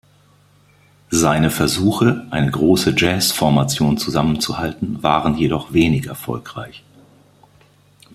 Seine Versuche, eine große Jazzformation zusammenzuhalten, waren jedoch wenig erfolgreich.